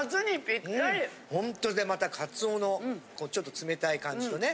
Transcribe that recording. ホントでまたカツオのちょっと冷たい感じとね。